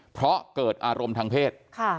เพราะเกิดอารมณ์ทางเพศ